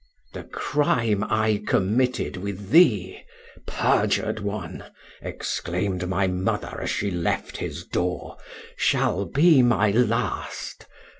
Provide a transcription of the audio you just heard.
The crime I committed with thee, perjured one! exclaimed my mother as she left his door, shall be my last!